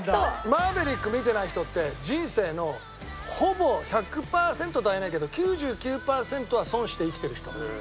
『マーヴェリック』見てない人って人生のほぼ１００パーセントとは言えないけど９９パーセントは損して生きてる人。